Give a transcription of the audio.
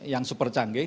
yang super canggih